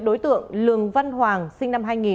đối tượng lương văn hoàng sinh năm hai nghìn